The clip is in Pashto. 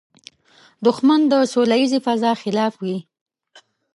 دښمن د سولیزې فضا خلاف وي